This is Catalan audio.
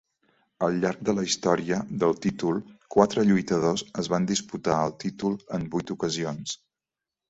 Al llarg de la història del títol, quatre lluitadors es van disputar el títol en vuit ocasions.